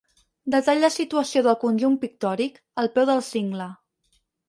Detall de situació del conjunt pictòric, al peu del cingle.